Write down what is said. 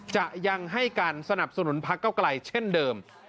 จะยังให้การสนับสนุนพักเก้าไกลเช่นเดิม